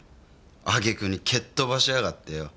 あげくに蹴っ飛ばしやがってよ。